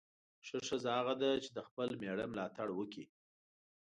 ښه ښځه هغه ده چې د خپل میړه ملاتړ وکړي.